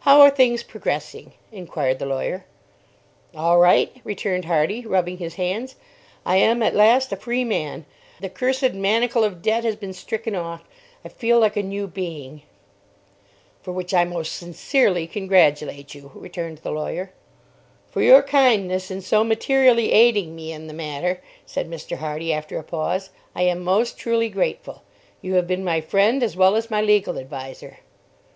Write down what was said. "How are things progressing?" inquired the lawyer. "All right," returned Hardy, rubbing his hands. "I am at last a free man. The cursed manacle of debt has been stricken off I feel like a new being." "For which I most sincerely congratulate you," returned the lawyer. "For your kindness in so materially aiding me in the matter," said Mr. Hardy, after a pause, "I am most truly grateful. You have been my friend as well as my legal adviser."